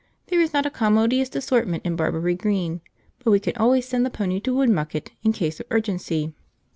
There is not a commodious assortment in Barbury Green, but we can always send the pony to Woodmucket in case of urgency.